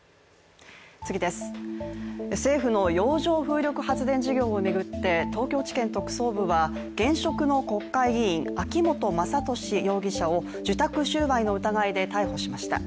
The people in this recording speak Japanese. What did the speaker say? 政府の洋上風力発電事業を巡って東京地検特捜部は現職の国会議員・秋本真利容疑者を受託収賄の疑いで逮捕しました。